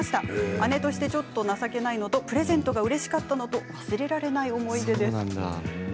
姉として、ちょっと情けないのとプレゼントがうれしかったのとそうなんだ。